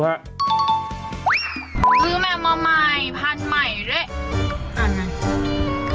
ซื้อแมวมาใหม่พันธุ์ใหม่เลย